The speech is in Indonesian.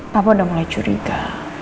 papa udah mulai curiga